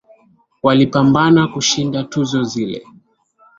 Walipambana kushinda tuzo zile